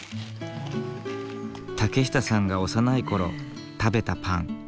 竹下さんが幼い頃食べたパン。